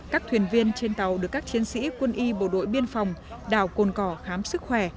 các thuyền viên trên tàu được các chiến sĩ quân y bộ đội biên phòng đảo cồn cỏ khám sức khỏe